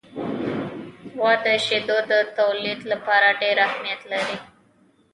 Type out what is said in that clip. غوا د شیدو د تولید لپاره ډېر اهمیت لري.